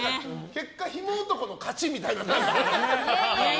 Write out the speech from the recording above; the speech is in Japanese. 結果、ヒモ男の勝ちみたいな。